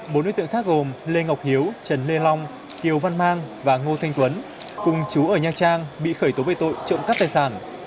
bốn đối tượng khác gồm lê ngọc hiếu trần lê long kiều văn mang và ngô thanh tuấn cùng chú ở nha trang bị khởi tố về tội trộm cắp tài sản